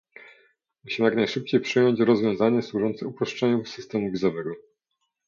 Musimy jak najszybciej przyjąć rozwiązanie służące uproszczeniu systemu wizowego